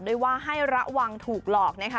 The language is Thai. ด้วยว่าให้ระวังถูกหลอกนะคะ